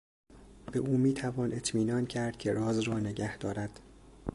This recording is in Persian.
به او میتوان اطمینان کرد که راز را نگه دارد.